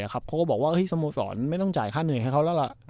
เขาก็บอกว่าสโมสรไม่ต้องจ่ายค่าเหนื่อยให้เขาแล้วล่ะ